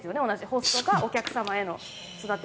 ホストがお客様への育て。